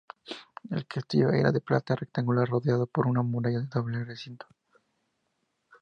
El castillo era de planta rectangular, rodeado por una muralla de doble recinto.